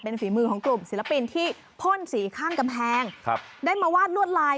ฝีมือของกลุ่มศิลปินที่พ่นสีข้างกำแพงครับได้มาวาดลวดลาย